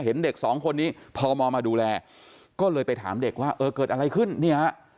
เห็นเด็กสองคนนี้พมมาดูแลก็เลยไปถามเด็กว่าเออเกิดอะไรขึ้นเนี่ยฮะ